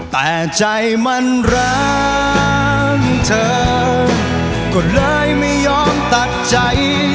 แต่ใจมันรักเธอก็เลยไม่ยอมตัดใจ